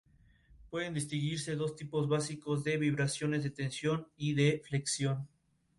Ocupa bosques de roble mediterráneo, así como de hayas y bosques de pino.